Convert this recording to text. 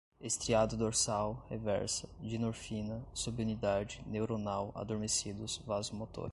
estriado dorsal, reversa, dinorfina, subunidade, neuronal, adormecidos, vasomotora